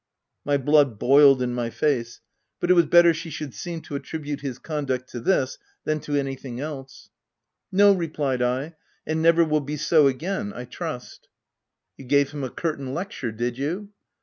My blood boiled in my face; but it was better she should seem to attribute his conduct to this than to anything else. * No,'* replied I, " and never will be so again I trust." VOL. II. H 146 THE TENANT " You gave him a curtain lecture, did you